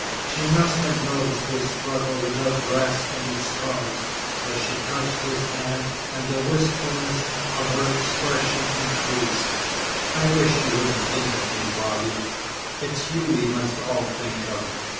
She must have noticed his struggle without grasping its cause, for she touched his hand, and the wistfulness of her expression increased. "I wish you wouldn't think of me, Bobby. It's you we must all think of."